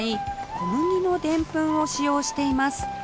小麦のでんぷんを使用しています